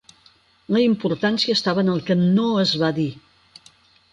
La importància estava en el que "no" es va dir.